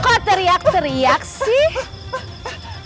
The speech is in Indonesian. kok teriak teriak sih